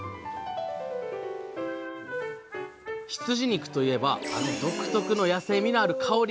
羊肉といえばあの独特の野性味のある香り！